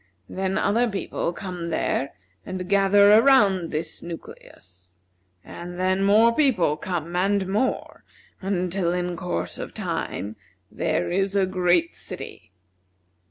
Then other people come there, and gather around this nucleus, and then more people come and more, until in course of time there is a great city.